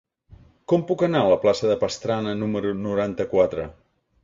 Com puc anar a la plaça de Pastrana número noranta-quatre?